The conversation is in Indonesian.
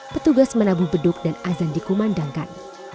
petugas menabuh beduk dan azan dikumandangkan